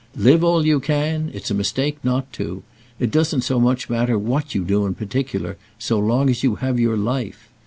"Live all you can; it's a mistake not to. It doesn't so much matter what you do in particular so long as you have your life.